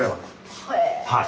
はい。